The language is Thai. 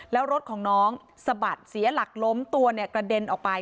แล้วรถของน้องสะบัดเสียหลักล้มตัวเนี่ยกระเด็นออกไป